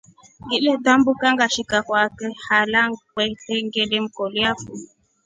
Ngiletambuka ngashika hala kwake kwete ngilemkolia foo.